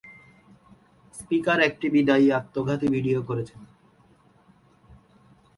Speaker একটি বিদায়ী আত্মঘাতী ভিডিও করেছেন।